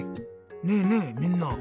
ねえねえみんな。